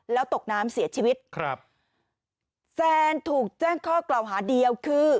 แล้วตกน้ำเสียชีวิตครับแซนถูกแจ้งข้อกล่าวหาเดียวคือ